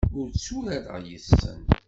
Ur tturareɣ yes-sen.